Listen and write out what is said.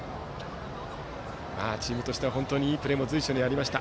チームとしてはいいプレーも随所にありました。